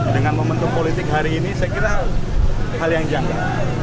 dengan momentum politik hari ini saya kira hal yang janggal